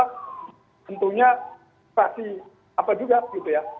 tentunya pasti apa juga gitu ya